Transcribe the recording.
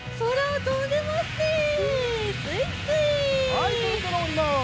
はいそろそろおります。